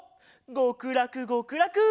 ごくらくごくらく！